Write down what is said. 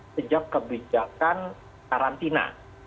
sejak kebijakan karantina